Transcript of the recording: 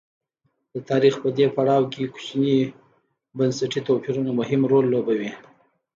د تاریخ په دې پړاو کې کوچني بنسټي توپیرونه مهم رول لوبوي.